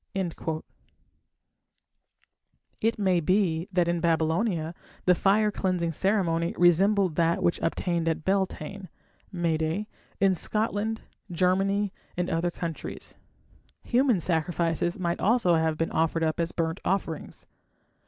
It may be that in Babylonia the fire cleansing ceremony resembled that which obtained at Beltane (May Day) in Scotland, Germany, and other countries. Human sacrifices might also have been offered up as burnt offerings.